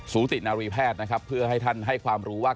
ูตินารีแพทย์นะครับเพื่อให้ท่านให้ความรู้ว่า